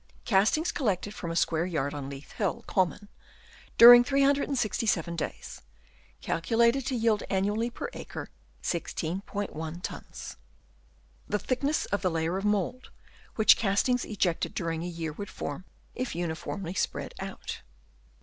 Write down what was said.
Castings collected from a square yard on Leith Hill Common during 367 days, calculated to yield annually per acre 16*1 tons. The thickness of the layer of mould, which castings ejected during a year would form if uniformly spread out.